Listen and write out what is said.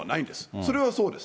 それはそうです。